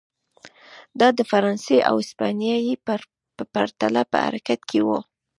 دا د فرانسې او هسپانیې په پرتله په حرکت کې و.